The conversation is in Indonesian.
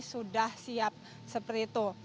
sudah siap seperti itu